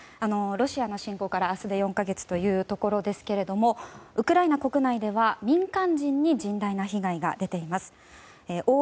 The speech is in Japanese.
ロシアの侵攻から明日で４か月というところですがウクライナ国内では民間人に甚大な被害が出ています。